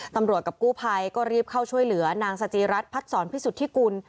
กับกู้ภัยก็รีบเข้าช่วยเหลือนางสจีรัฐพัดศรพิสุทธิกุล